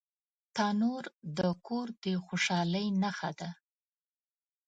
تنور د کور د خوشحالۍ نښه ده